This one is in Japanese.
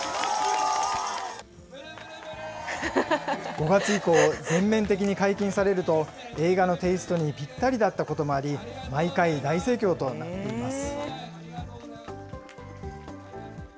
５月以降、全面的に解禁されると、映画のテイストにぴったりだったこともあり、毎回、大盛況となっています。